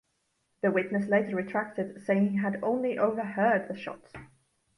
The witness later retracted, saying he had only overheard the shots.